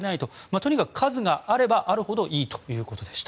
とにかく数があればあるほどいいということでした。